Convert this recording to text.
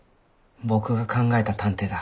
僕が考えた探偵だ。